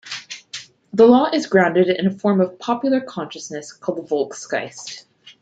The law is grounded in a form of popular consciousness called the "Volksgeist".